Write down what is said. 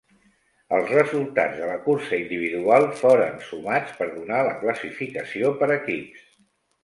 Els resultats de la cursa individual foren sumats per donar la classificació per equips.